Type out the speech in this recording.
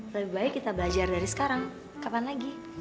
lebih baik kita belajar dari sekarang kapan lagi